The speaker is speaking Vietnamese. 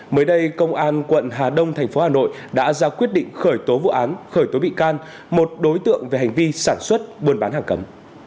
mới đây công an quận hà đông thành phố hà nội đã ra quyết định khởi tố vụ án khởi tố bị can một đối tượng về hành vi sản xuất buôn bán hàng cấm